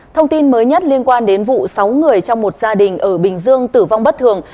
thông tin mới nhất liên quan đến vụ sáu người trong một gia đình ở bình dương tử vong bất thường